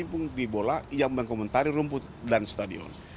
mimpung di bola yang mengomentari rumput dan stadion